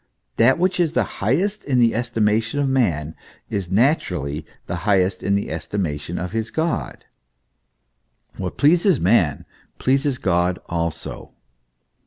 That which is the highest in the estimation of man, is naturally the highest in the estimation of his God what pleases man, pleases God also.